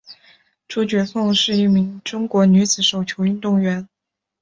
朱觉凤是一名中国女子手球运动员。